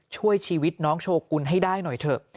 ช่วยชีวิตน้องโชกุลให้ได้หน่อยเถอะ